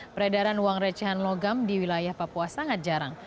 peredaran uang recehan logam di wilayah papua sangat jarang